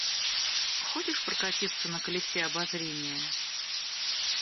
Хочешь прокатиться на колесе обозрения?